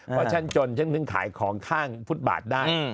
เพราะฉันจนฉันถึงขายของข้างฟุตบาทได้